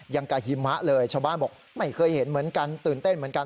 อย่างกับหิมะเลยชาวบ้านบอกไม่เคยเห็นเหมือนกันตื่นเต้นเหมือนกัน